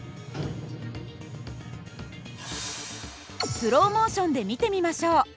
スローモーションで見てみましょう。